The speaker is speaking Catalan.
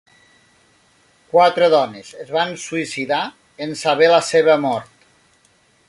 Quatre dones es van suïcidar en saber la seva mort.